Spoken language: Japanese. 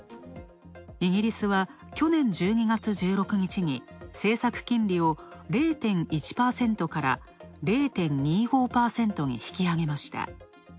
イギリスは去年１２月１６日に政策金利を０．１％から０．２５％に引き上げました。